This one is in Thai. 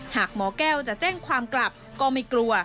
หากหมอแก้วจะแจ้งความกลับก็ไม่กลัว